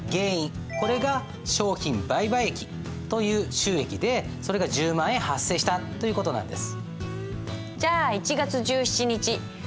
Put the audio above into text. これが商品売買益という収益でそれが１０万円発生したという事なんです。